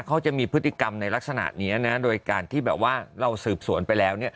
เขาจะมีพฤติกรรมในลักษณะนี้นะโดยการที่แบบว่าเราสืบสวนไปแล้ว